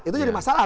itu jadi masalah